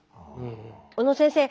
小野先生